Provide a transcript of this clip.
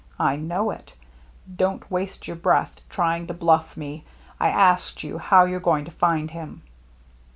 I know it. Don't waste your breath trying to blufF me. I asked you how you're going to find him."